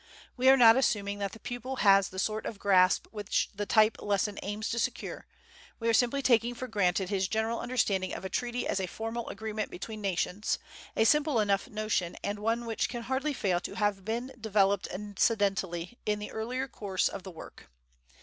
We are not assuming that the pupil has the sort of grasp which the type lesson aims to secure; we are simply taking for granted his general understanding of a treaty as a formal agreement between nations, a simple enough notion and one which can hardly fail to have been developed incidentally in the earlier course of the work.